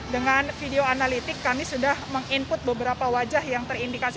dengan video analitik kami sudah meng input beberapa wajah yang terindikasi